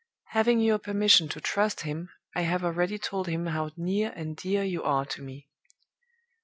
'Having your permission to trust him, I have already told him how near and dear you are to me.